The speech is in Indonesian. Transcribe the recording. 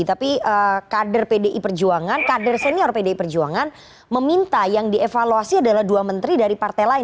tapi kader pdi perjuangan kader senior pdi perjuangan meminta yang dievaluasi adalah dua menteri dari partai lain